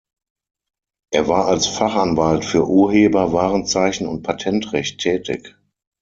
Er war als Fachanwalt für Urheber-, Warenzeichen- und Patentrecht tätig.